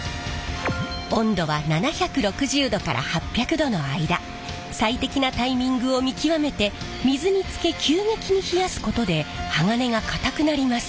温度は７６０℃から８００℃の間最適なタイミングを見極めて水につけ急激に冷やすことで鋼が硬くなります。